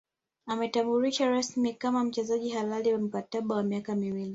Ametambulishwa rasmi kama mchezaji halali kwa mkataba wa miaka miwili